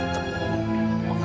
mengenai orang yang telah mencari